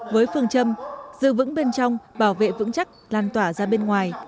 với phương châm giữ vững bên trong bảo vệ vững chắc lan tỏa ra bên ngoài